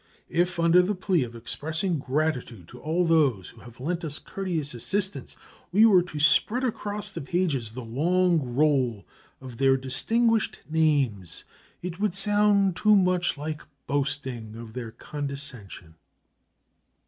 If, under the plea of expressing gratitude to all those who have lent us courteous assistance, we were to spread across these pages the long roll of their distinguished names, it would sound too much like boasting of their condescension.